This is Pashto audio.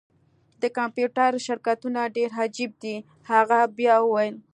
د کمپیوټر شرکتونه ډیر عجیب دي هغې بیا وویل